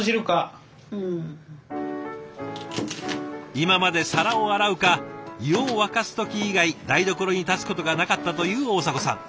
今まで皿を洗うか湯を沸かす時以外台所に立つことがなかったという大迫さん。